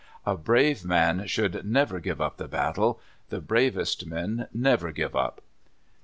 A brave man should never give up the battle ; the bravest men never give up.